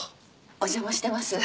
お邪魔してます。